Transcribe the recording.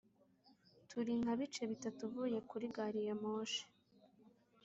turi nka bice bitatu uvuye kuri gari ya moshi.